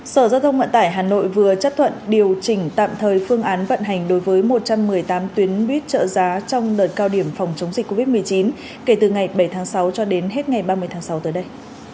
sở giao thông vận tải hà nội vừa chấp thuận điều chỉnh tạm thời phương án vận hành đối với một trăm một mươi tám tuyến buýt trợ giá trong đợt cao điểm phòng chống dịch covid một mươi chín kể từ ngày bảy tháng sáu cho đến hết ngày ba mươi tháng sáu tới đây